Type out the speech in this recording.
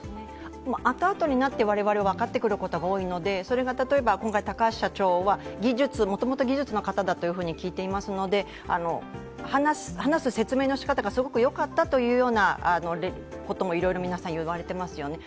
あとあとになって我々分かってくることが多いので、今回、高橋社長はもともと技術の方だと聞いていますので話す、説明の仕方がよかったということもいろいろ皆さんいわれていますよね。